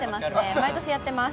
毎年やってます。